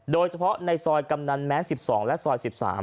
โดยเฉพาะในซอยกำนันแม้น๑๒และซอย๑๓